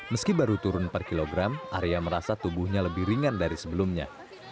meski baru turun per kilogram arya merasa tubuhnya lebih ringan dari sebelumnya